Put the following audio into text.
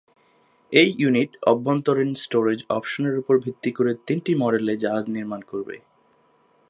এই ইউনিট অভ্যন্তরীণ স্টোরেজ অপশনের উপর ভিত্তি করে তিনটি মডেলে জাহাজ নির্মাণ করবে।